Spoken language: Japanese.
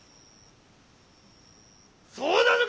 そうなのか！？